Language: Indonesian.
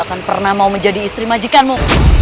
akan pernah mau menjadi istri majikanmu